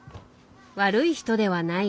悪い人ではないが。